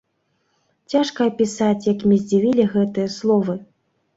Цяжка апісаць, як мяне здзівілі гэтыя словы.